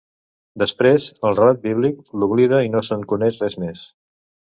Després, el relat bíblic l'oblida i no se'n coneix res més.